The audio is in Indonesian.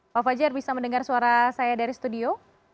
pak fajar bisa mendengar suara saya dari studio